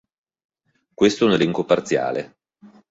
Questo è un elenco parziale.